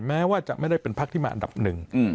แม้ว่าจะไม่ได้เป็นพักที่มาอันดับหนึ่ง